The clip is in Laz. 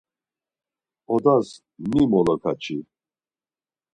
Odas mi molokaçi?